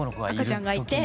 赤ちゃんがいて。